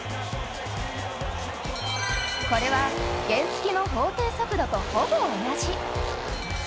これは原付の法定速度とほぼ同じ。